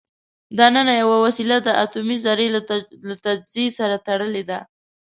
دننه یوه وسیله د اټومي ذرې له تجزیې سره تړلې ده.